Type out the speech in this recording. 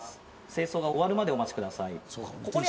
清掃が終わるまでお待ちください。